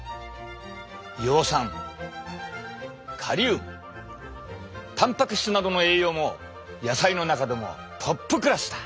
葉酸カリウムタンパク質などの栄養も野菜の中でもトップクラスだ。